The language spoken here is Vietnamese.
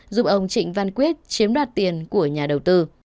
giúp ông trịnh văn quyết chiếm đoạt tiền của nhà đầu tư